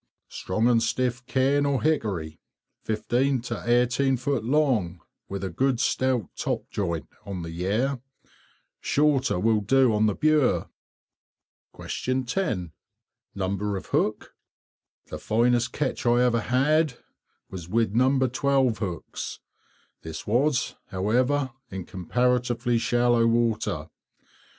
Strong and stiff cane or hickory, 15 to 18 feet long, with a good stout top joint, on the Yare. Shorter will do on the Bure. 10. Number of hook? The finest catch I ever had was with No. 12 hooks. This was, however, in comparatively shallow water.